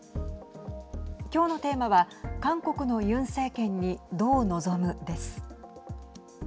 きょうのテーマは韓国のユン政権にどう臨むです。